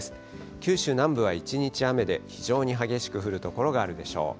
九州南部は一日雨で、非常に激しく降る所があるでしょう。